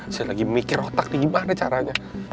saya lagi mikir otak gimana caranya